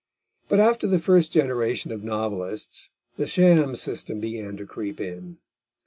But after the first generation of novelists, the sham system began to creep in.